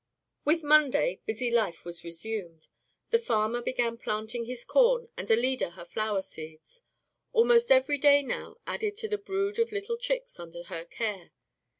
With Monday, busy life was resumed. The farmer began planting his corn and Alida her flower seeds. Almost every day now added to the brood of little chicks under her care.